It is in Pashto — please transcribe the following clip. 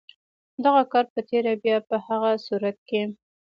دغه کار په تېره بیا په هغه صورت کې.